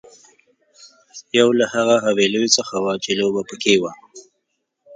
یو له هغو حويليو څخه وه چې لوبه پکې وه.